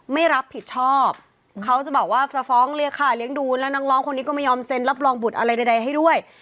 ไม่รับผิดชอบเขาจะบอกว่าจะฟ้องเรียกค่าเลี้ยงดูแล้วน้องคนนี้ก็ไม่ยอมเซ็นรับรองบุตรอะไรใดให้ด้วย